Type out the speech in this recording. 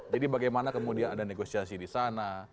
jadi bagaimana kemudian ada negosiasi di sana